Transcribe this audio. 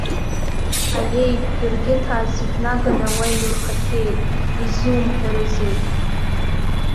Аиеи, жәыргьыҭаа зегьы наганы уаҟа инурхахьеит, изумҳәарызеи!